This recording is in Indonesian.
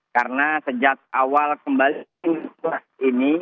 karena sejak awal kembali ke situasi ini